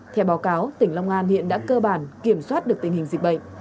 theo báo cáo tỉnh long an hiện đã cơ bản kiểm soát được tình hình dịch bệnh